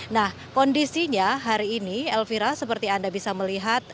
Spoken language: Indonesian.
nah kondisinya hari ini elvira seperti anda bisa melihat